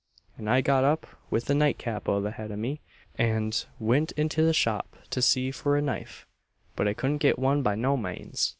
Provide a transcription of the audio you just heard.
and I got up with the night cap o' th' head o' me, and went into the shop to see for a knife, but I couldn't get one by no manes.